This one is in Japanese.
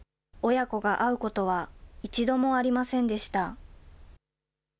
親子が会うことは一度もありませんでした。